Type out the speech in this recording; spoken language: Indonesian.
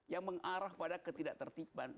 yang mengarah pada ketidak tertiban